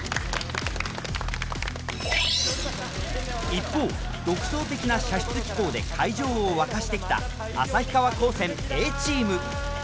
一方独創的な射出機構で会場を沸かしてきた旭川高専Ａチーム。